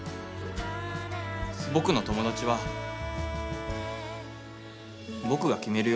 僕の友達は僕が決めるよ。